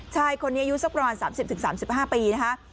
ชายคนนี้อายุสักประมาณ๓๐๓๕ปีนะคะ